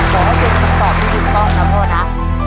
ขอให้เจมส์ตอบที่อื่นต้องนะพ่อนะ